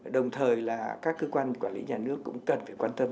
đồng thời là các cơ quan quản lý nhà nước cũng cần phải quan tâm